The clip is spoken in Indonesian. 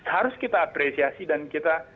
harus kita apresiasi dan kita